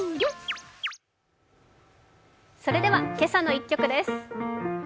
それでは「けさの１曲」です